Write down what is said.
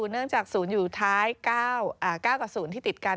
๑๙๐เนื่องจาก๐อยู่ท้าย๙กับ๐ที่ติดกัน